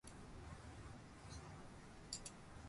短い猫のしっぽ可愛い。